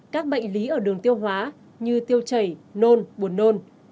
các bệnh lý ở đường tiêu hóa như tiêu chảy nôn buồn nôn